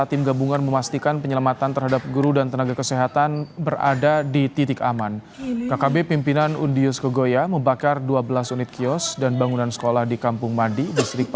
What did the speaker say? tni polri mengevakuasi peluhan guru dan tenaga medis dari sebuah sekolah yang dibakar kelompok kriminal bersenggata